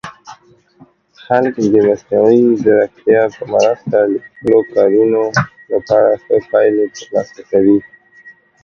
خلک د مصنوعي ځیرکتیا په مرسته د خپلو کارونو لپاره ښه پایلې ترلاسه کوي.